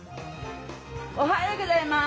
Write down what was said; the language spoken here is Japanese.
おはようございます。